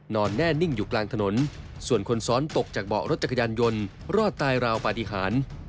นอนแน่นิ่งอยู่กลางถนนส่วนคนซ้อนตกจากเบาะรถจักรยานยนต์รอดตายราวปฏิหาร